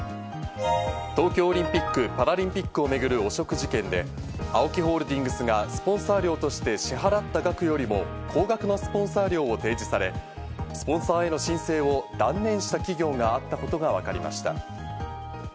東京オリンピック・パラリンピックを巡る汚職事件で、ＡＯＫＩホールディングスがスポンサー料として支払った額よりも高額なスポンサー料を提示され、スポンサーへの申請を断念した企業があったことがわかりました。